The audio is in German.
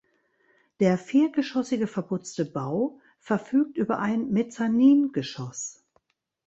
Der viergeschossige verputzte Bau verfügt über ein Mezzaningeschoss.